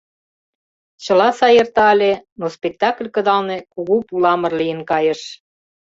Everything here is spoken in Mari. Чыла сай эрта ыле, но спектакль кыдалне кугу пуламыр лийын кайыш.